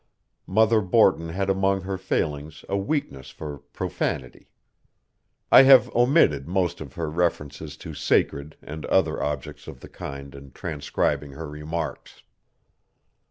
Mother Borton had among her failings a weakness for profanity. I have omitted most of her references to sacred and other subjects of the kind in transcribing her remarks.